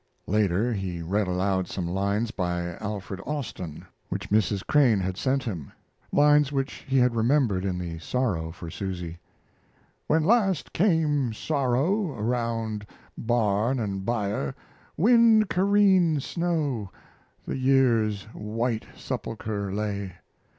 Later he read aloud some lines by Alfred Austin, which Mrs. Crane had sent him lines which he had remembered in the sorrow for Susy: When last came sorrow, around barn and byre Wind careen snow, the year's white sepulchre, lay.